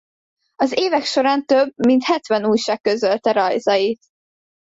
Az évek során több mint hetven újság közölte rajzait.